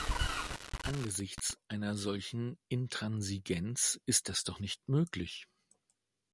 Angesichts einer solchen Intransigenz ist das doch nicht möglich.